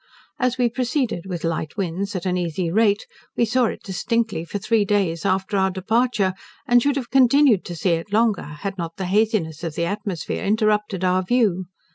As we proceeded with light winds, at an easy rate, we saw it distinctly for three days after our departure, and should have continued to see it longer, had not the haziness of the atmosphere interrupted our view.